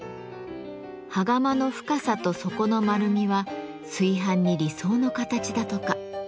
羽釜の深さと底の丸みは炊飯に理想の形だとか。